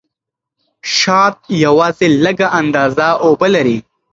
شات یوازې لږه اندازه اوبه لري.